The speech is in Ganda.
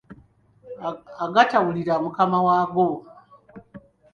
Agatawulira mukama waago.